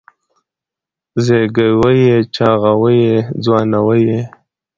زېږوي یې چاغوي یې ځوانوي یې